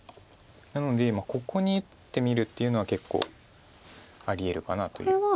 なので今ここに打ってみるっていうのは結構ありえるかなという。